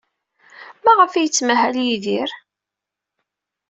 Maɣef ay yettmahal Yidir?